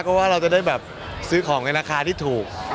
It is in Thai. เพราะว่าเราจะได้แบบซื้อของในราคาที่ถูก